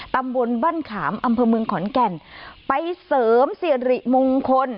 ตำบลบ้านขามอำเภอเมืองขอนแก่นไปเสริมสิริมงคล